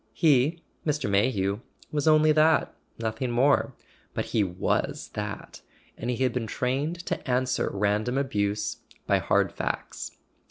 He, Mr. May¬ hew, was only that, nothing more; but he was that, and he had been trained to answer random abuse by hard facts.